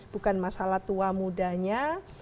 bukan masalah tua mudanya